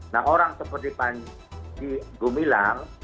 nah orang seperti panji gumilang